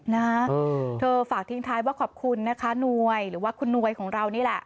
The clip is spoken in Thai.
นะเธอฝากทิ้งท้ายว่าขอบคุณนะคะหน่วยหรือว่าคุณหน่วยของเรานี่แหละ